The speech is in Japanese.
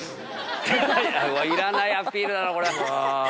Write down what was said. いらないアピールだなこれ。